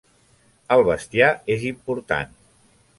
El bestiar és important.